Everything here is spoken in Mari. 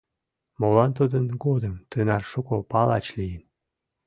Молан тудын годым тынар шуко палач лийын?